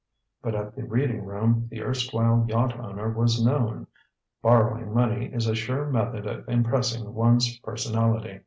But at the Reading room the erstwhile yacht owner was known. Borrowing money is a sure method of impressing one's personality.